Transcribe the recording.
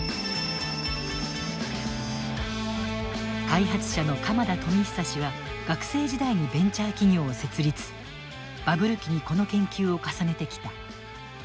開発者の鎌田富久氏は学生時代にベンチャー企業を設立バブル期にこの研究を重ねてきた。